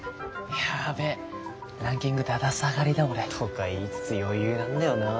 やべえランキングだだ下がりだ俺。とか言いつつ余裕なんだよなあ。